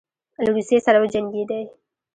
له روسیې سره وجنګېدی.